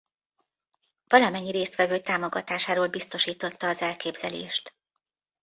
Valamennyi résztvevő támogatásáról biztosította az elképzelést.